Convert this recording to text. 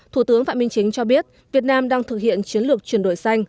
thủ tướng phạm minh chính cho biết việt nam đang thực hiện chiến lược chuyển đổi xanh